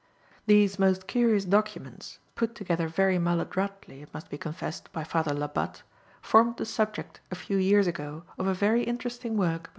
These most curious documents, put together very maladroitly it must be confessed, by Father Labat, formed the subject, a few years ago, of a very interesting work by M.